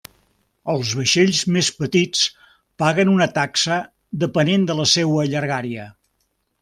Els vaixells més petits paguen una taxa depenent de la seua llargària.